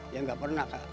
ya gak pernah